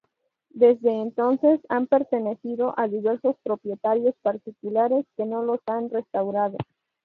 Desde entonces han pertenecido a diversos propietarios particulares, que no los han restaurado.